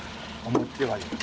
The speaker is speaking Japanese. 思ってはいる。